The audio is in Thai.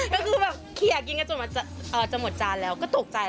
ก็คือแบบเคลียร์กินกันจนหมดจานแล้วก็ตกใจ